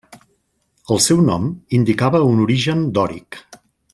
El seu nom indicava un origen dòric.